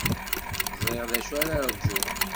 Ẓriɣ d acu ara ṛjuɣ.